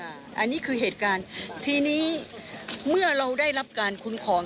อันนี้คือเหตุการณ์ทีนี้เมื่อเราได้รับการคุ้มครอง